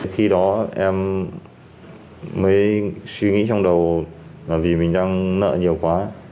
khi đó em mới suy nghĩ trong đầu là vì mình đang nợ nhiều quá